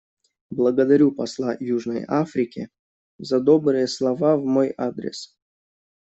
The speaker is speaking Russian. Благодарю посла Южной Африке за добрые слова в мой адрес.